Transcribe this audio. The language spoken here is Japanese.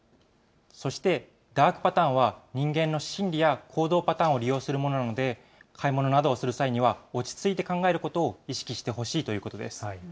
そしてダークパターンは、人間の心理や行動パターンを利用するものなので、買い物などをする際には、落ち着いて考えることを意識してほしいということです。